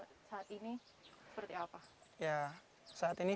ya saat ini fasilitasnya